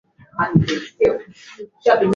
wakti huo ambapo majeshi kutoka nchi za kujihami